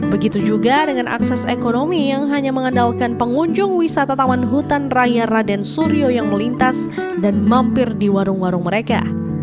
begitu juga dengan akses ekonomi yang hanya mengandalkan pengunjung wisata taman hutan raya raden suryo yang melintas dan mampir di warung warung mereka